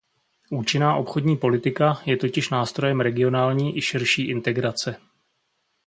Účinná obchodní politika je totiž nástrojem regionální i širší integrace.